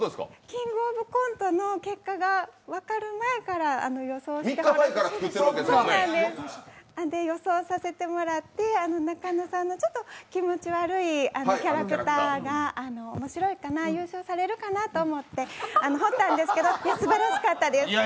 「キングオブコント」の結果が分かる前から予想させてもらって、中野さんのちょっと気持ち悪いキャラクターが面白いかな、優勝されるかなと思って彫ったんですけどすばらしかったです。